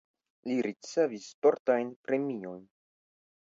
Li ricevis sportajn premiojn.